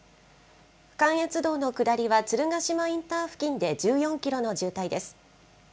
関越道の下りは鶴ヶ島インター付近で１４キロの渋滞です。